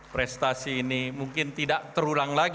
prestasi ini mungkin tidak terulang lagi